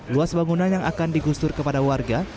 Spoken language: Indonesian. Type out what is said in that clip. luas bangunan yang akan digusur kepada warga